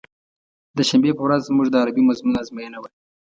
د شنبې په ورځ زموږ د عربي مضمون ازموينه وه.